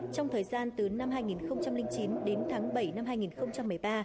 trong thời gian từ năm hai nghìn chín đến tháng bảy năm hai nghìn một mươi ba